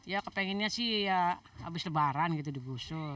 ya kepengennya sih ya habis lebaran gitu digusur